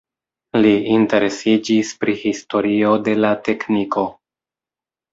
Li interesiĝis pri historio de la tekniko.